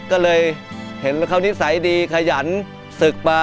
ก็เลยเห็นนิสัยดีขยันสึกมา